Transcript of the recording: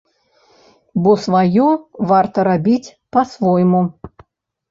Бо сваё варта рабіць па-свойму.